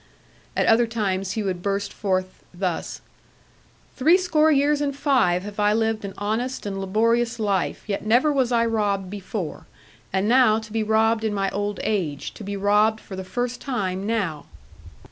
At other times he would burst forth thus: 'Three score years and five have I lived an honest and laborious life, yet never was I robbed before. And now to be robbed in my old age, to be robbed for the first time now!'